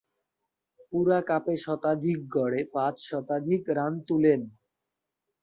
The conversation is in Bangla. পুরা কাপে শতাধিক গড়ে পাঁচ শতাধিক রান তুলেন।